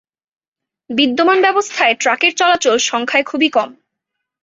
বিদ্যমান ব্যবস্থায় ট্রাকের চলাচল সংখ্যায় খুবই কম।